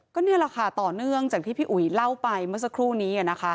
ก็นี่แหละค่ะต่อเนื่องจากที่พี่อุ๋ยเล่าไปเมื่อสักครู่นี้นะคะ